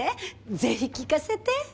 ぜひ聞かせて。